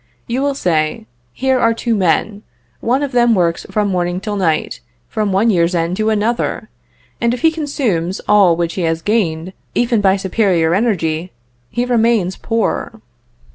You will say, "Here are two men. One of them works from morning till night, from one year's end to another; and if he consumes all which he has gained, even by superior energy, he remains poor.